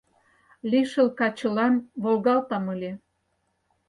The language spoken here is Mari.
Лишыл качылан волгалтам ыле.